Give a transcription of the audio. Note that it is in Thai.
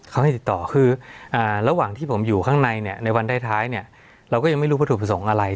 เขาให้ติดต่อคือระหว่างที่ผมอยู่ข้างในเนี่ยในวันท้ายเนี่ยเราก็ยังไม่รู้วัตถุประสงค์อะไร